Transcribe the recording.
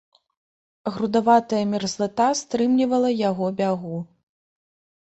Грудаватая мерзлата стрымлівала яго бягу.